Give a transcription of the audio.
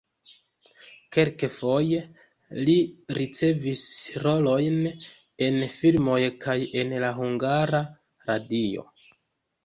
Kelkfoje li ricevis rolojn en filmoj kaj en la Hungara Radio.